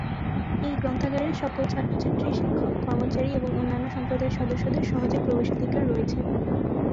এই গ্রন্থাগারে সকল ছাত্র ছাত্রী, শিক্ষক, কর্মচারী এবং অন্যান্য সম্প্রদায়ের সদস্যদের সহজে প্রবেশাধিকার রয়েছে।